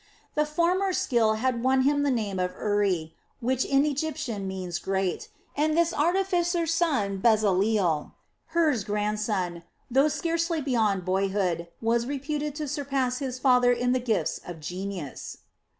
The former's skill had won him the name of Uri, which in Egyptian means 'great', and this artificer's son Bezaleel, Hur's grandson, though scarcely beyond boyhood, was reputed to surpass his father in the gifts of genius.